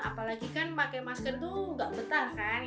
apalagi kan pakai masker itu enggak betah kan